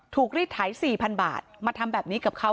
รีดไถ๔๐๐๐บาทมาทำแบบนี้กับเขา